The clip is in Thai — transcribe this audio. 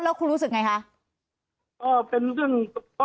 แล้วครูรู้สึกไงคะ